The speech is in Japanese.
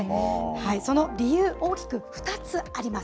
その理由、大きく２つあります。